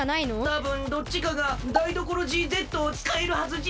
たぶんどっちかがダイドコロジーＺをつかえるはずじゃ。